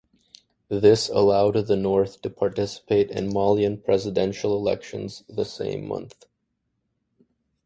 This allowed the North to participate in Malian presidential elections the same month.